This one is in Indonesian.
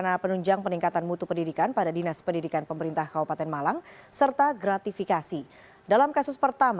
dengan inisial eat